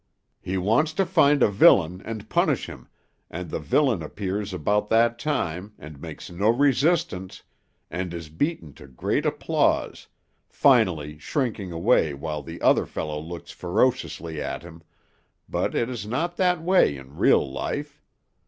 He wants to find a villain, and punish him, and the villain appears about that time, and makes no resistance, and is beaten to great applause, finally shrinking away while the other fellow looks ferociously at him, but it is not that way in real life.